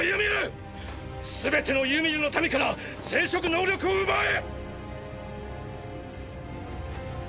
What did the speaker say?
すべてのユミルの民から生殖能力を奪え！！